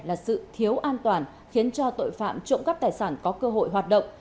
là sự thiếu an toàn khiến cho tội phạm trộm cắp tài sản có cơ hội hoạt động